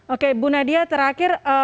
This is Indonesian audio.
oke bu nadia terakhir